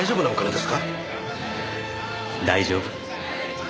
大丈夫。